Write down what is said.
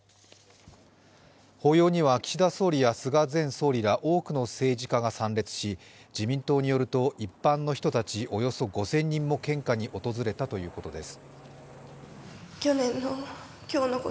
法要には岸田総理や菅前総理ら多くの政治家が参列し自民党によると、一般の人たちおよそ５０００人も献花に訪れたということです。